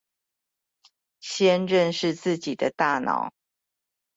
先認識自己的大腦